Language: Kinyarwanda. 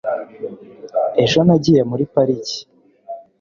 ejo nagiye muri pariki